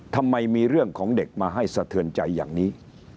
ทำไมมีเรื่องของเด็กมาให้สะเทือนใจอย่างนี้